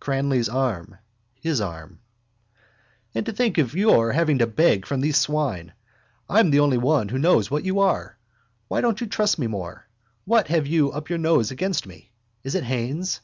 Cranly's arm. His arm. —And to think of your having to beg from these swine. I'm the only one that knows what you are. Why don't you trust me more? What have you up your nose against me? Is it Haines?